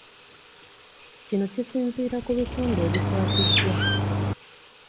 Kino kisinziira ku bitundu ebikwatiddwa